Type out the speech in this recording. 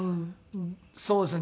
そうですね